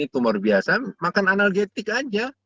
tumor biasa makan analgetik aja